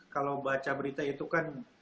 kalau baca berita itu kan